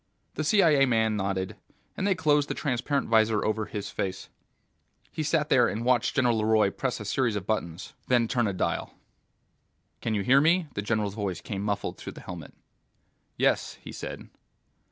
The CIA man nodded, and they closed the transparent visor over his face. He sat there and watched General LeRoy press a series of buttons, then turn a dial. "Can you hear me?" The general's voice came muffled through the helmet. "Yes," he said.